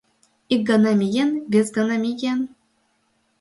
Ик гана миен, вес гана миен...